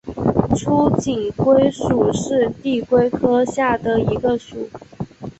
粗颈龟属是地龟科下的一个属。